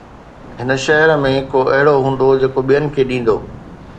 هن شهر ۾ ڪو اهڙو هوندو جيڪو ٻين کي ڏيندو؟